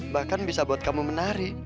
bahkan bisa buat kamu menangis juga